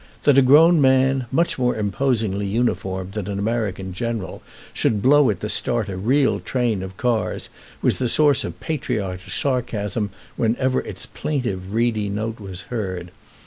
That a grown man, much more imposingly uniformed than an American general, should blow it to start a real train of cars was the source of patriotic sarcasm whenever its plaintive, reedy note was heard.